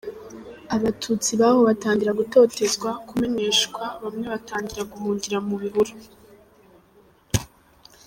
Abatutsi baho batangira gutotezwa, kumeneshwa, bamwe batangira guhungira mu bihuru.